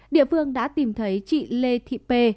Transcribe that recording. địa phương đã tìm thấy chị lê thị p